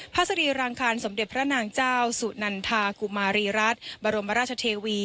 สรีรางคารสมเด็จพระนางเจ้าสุนันทากุมารีรัฐบรมราชเทวี